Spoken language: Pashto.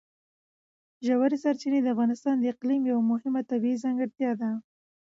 ژورې سرچینې د افغانستان د اقلیم یوه مهمه طبیعي ځانګړتیا ده.